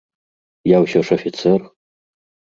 Я ўсё ж афіцэр.